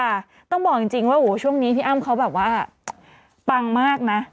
ต้องบอกจริงว่าโอ้โหช่วงนี้พี่อ้ำเขาแบบว่าปังมากนะ